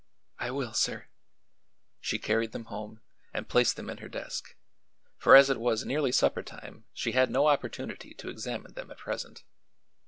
"I will, sir." She carried them home and placed them in her desk, for as it was nearly suppertime she had no opportunity to examine them at present.